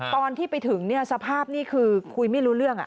ตอนที่ไปถึงสภาพนี่คือคุยไม่รู้เรื่อง